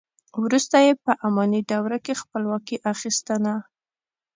وروسته یې په اماني دوره کې خپلواکي اخیستنه.